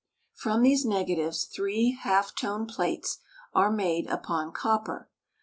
From these negatives three half tone plates are made upon copper.